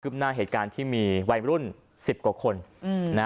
หน้าเหตุการณ์ที่มีวัยรุ่น๑๐กว่าคน